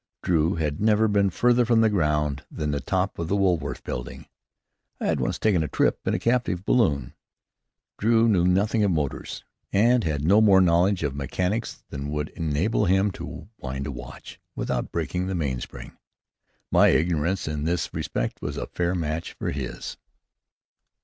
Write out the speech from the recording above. Drew had never been farther from the ground than the top of the Woolworth building. I had once taken a trip in a captive balloon. Drew knew nothing of motors, and had no more knowledge of mechanics than would enable him to wind a watch without breaking the mainspring. My ignorance in this respect was a fair match for his.